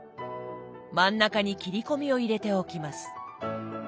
真ん中に切り込みを入れておきます。